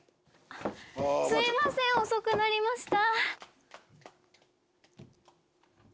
すいません遅くなりました！